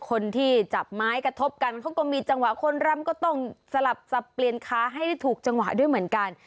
คนที่จับไม้กระทบกันเขาก็มีจังหวะคนรำก็ต้องสลับสับเปลี่ยนขาให้ได้ถูกจังหวะด้วยเหมือนกัน